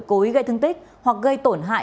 cố ý gây thương tích hoặc gây tổn hại